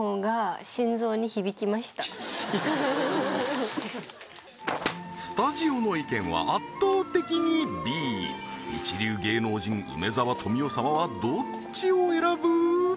ふふっスタジオの意見は圧倒的にＢ一流芸能人梅沢富美男様はどっちを選ぶ？